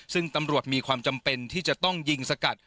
ซึ่งตำรวจมีความจำเป็นที่จะต้องยิงสกัด